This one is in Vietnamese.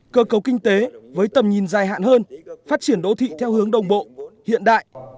cơ cấu kinh tế với tầm nhìn dài hạn hơn phát triển đô thị theo hướng đồng bộ hiện đại